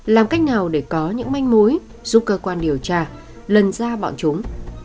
làm cách nào để có những manh mối giúp cơ quan điều tra lần ra bọn chúng